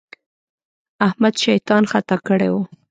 احمد شيطان خطا کړی وو.